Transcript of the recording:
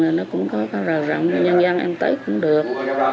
thì nó cũng có rào rộng cho nhân dân ăn tết cũng được